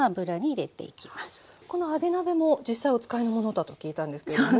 この揚げ鍋も実際お使いのものだと聞いたんですけれども。